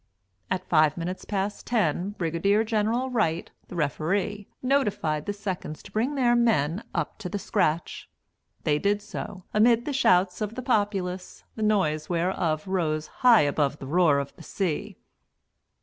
At five minutes past ten, Brigadier General Wright, the Referee, notified the seconds to bring their men "up to the scratch." They did so, amid the shouts of the populace, the noise whereof rose high above the roar of the sea.